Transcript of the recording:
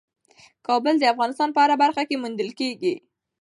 کابل د افغانستان په هره برخه کې موندل کېږي.